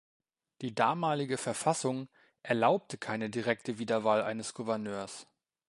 Die damalige Verfassung erlaubte keine direkte Wiederwahl eines Gouverneurs.